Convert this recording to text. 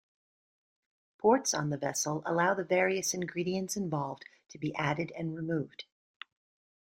Ports on the vessel allow the various ingredients involved to be added and removed.